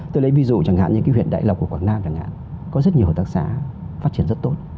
tôi lấy ví dụ chẳng hạn như cái huyện đại lộc của quảng nam chẳng hạn có rất nhiều hợp tác xã phát triển rất tốt